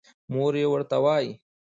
مور يې ورته وايې